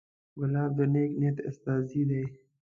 ګلاب د نیک نیت استازی دی.